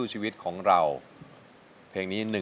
ใจทดสกัน